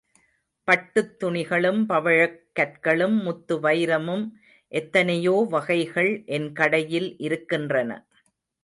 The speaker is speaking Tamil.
பட்டுத் துணிகளும் பவழக் கற்களும் முத்து வைரமும் எத்தனையோ வகைகள் என் கடையில் இருக்கின்றன.